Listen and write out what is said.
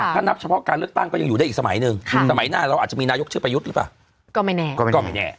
ถ้านับเฉพาะการเลือกตั้งก็ยังอยู่ได้อีกสมัยหนึ่งสมัยหน้าเราอาจจะมีนายกชื่อประยุทธ์หรือเปล่าก็ไม่แน่ก็ไม่แน่